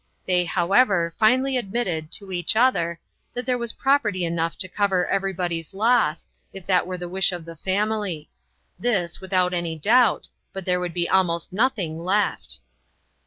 They, however, finally ad mitted, to each other, that there was property enough to cover everybody's loss, if that were the wish of the family ; this, without any doubt, but there would be almost nothing left.